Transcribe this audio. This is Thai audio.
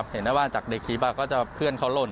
เห็นได้ว่าจากในคลิปก็จะเพื่อนเขาหล่น